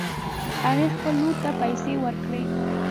هغې خپلې لور ته پیسې ورکړې